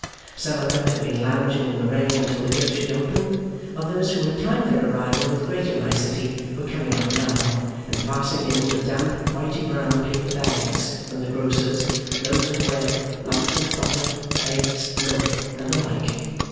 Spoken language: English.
Some of them had been lounging in the rain until the gate should open; others, who had timed their arrival with greater nicety, were coming up now, and passing in with damp whitey brown paper bags from the grocers, loaves of bread, lumps of butter, eggs, milk, and the like.